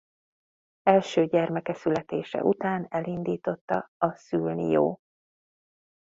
Első gyermeke születése után elindította a Szülni jó!